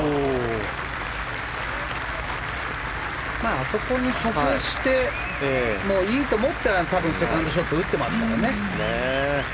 あそこに外してもいいと思って多分、セカンドショット打ってますからね。